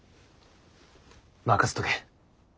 任せとけ。